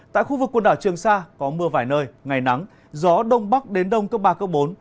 tại khu vực quần đảo trường sa có mưa vài nơi ngày nắng gió đông bắc đến đông cấp ba bốn